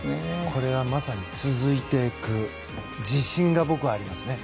これはまさに続いていく自信が僕はありますね。